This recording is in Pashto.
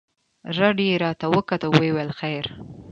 رډ يې راته وکتل ويې ويل خير.